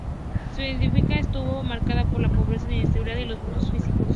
Su infancia estuvo marcada por la pobreza, la inestabilidad y los abusos físicos.